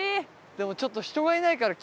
でもちょっと。